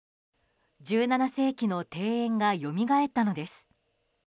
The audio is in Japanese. １７世紀の庭園がよみがえったのです。